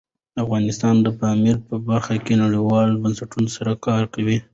افغانستان د پامیر په برخه کې نړیوالو بنسټونو سره کار کوي.